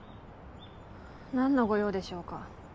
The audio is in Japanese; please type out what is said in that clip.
何のご用でしょうか。